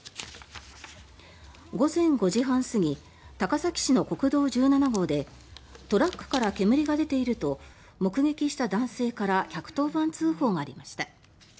午前５時半過ぎ高崎市の国道１７号でトラックから煙が出ていると目撃した男性から１１０番通報がありました。